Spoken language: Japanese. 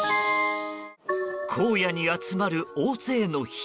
荒野に集まる大勢の人。